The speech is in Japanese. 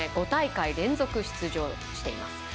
５大会連続出場しています。